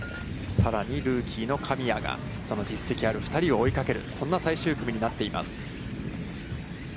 さらにルーキーの神谷が、その実績ある２人を追いかける、そんな最終組になっています。